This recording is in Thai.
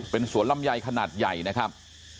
เป็นสวนลำไยขนาดใหญ่นะครับ